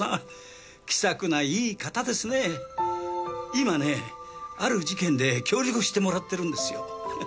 今ねある事件で協力してもらってるんですよ。